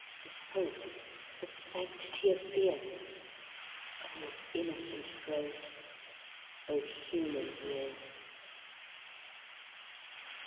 This hope, this sanctity of fear?O innocent throat! O human ear!